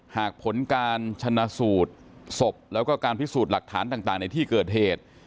หากผลการชนะสูตรศพแล้วก็การพิสูจน์หลักฐานต่างในที่เกิดเหตุ